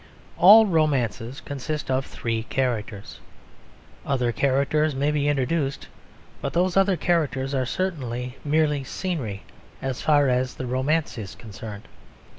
All romances consist of three characters. Other characters may be introduced; but those other characters are certainly mere scenery as far as the romance is concerned.